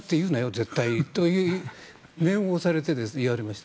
絶対にと念を押されて言われました。